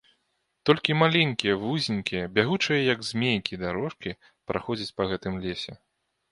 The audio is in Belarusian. Толькі маленькія, вузенькія, бягучыя, як змейкі, дарожкі праходзяць па гэтым лесе.